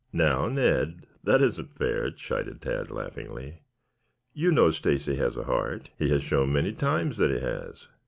"Now, Ned, that isn't fair," chided Tad laughingly. "You know Stacy has a heart. He has shown many times that he has.